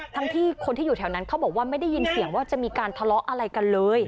ทั้งที่คนที่อยู่แถวนั้นเขาบอกว่าไม่ได้ยินเสียงว่าจะมีการทะเลาะอะไรกันเลย